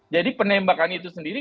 jadi penembakan itu sendiri